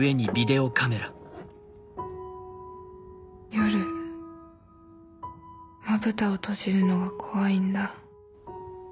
「夜瞼を閉じるのが怖いんだ」。